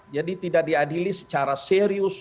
jadi tidak diadili secara serius